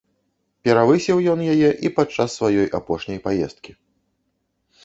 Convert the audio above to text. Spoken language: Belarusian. Перавысіў ён яе і падчас сваёй апошняй паездкі.